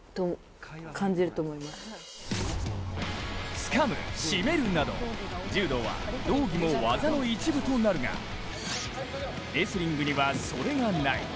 つかむ、締めるなど柔道は道着も技の一部となるがレスリングにはそれがない。